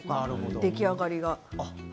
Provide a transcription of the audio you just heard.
出来上がりが。